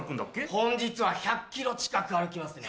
本日は１００ｋｍ近く歩きますね。